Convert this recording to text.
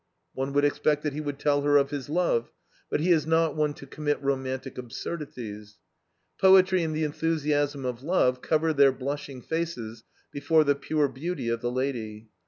One would expect that he would tell her of his love, but he is not one to commit romantic absurdities. Poetry and the enthusiasm of love cover their blushing faces before the pure beauty of the lady.